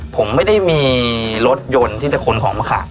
ผมไม่ได้มีรถยนต์ที่จะขนของมาขาย